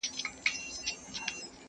چي هره ورځ به مي رقیب د سیوري پلونه څاري,